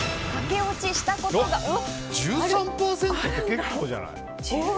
１３％って結構じゃない？